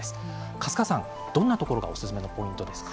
粕川さん、どんなところがおすすめのポイントですか？